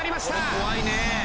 怖いね！